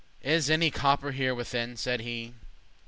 Is any copper here within?" said he.